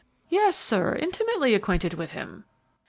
"Yes, sir, intimately acquainted with him."